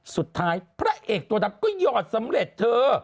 พระเอกตัวดำก็หยอดสำเร็จเธอ